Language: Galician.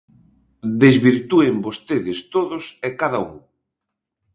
Desvirtúen vostedes todos e cada un.